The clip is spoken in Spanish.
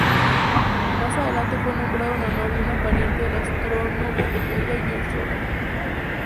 Más adelante fue nombrado en honor de una pariente del astrónomo belga Georges Roland.